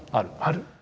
ある。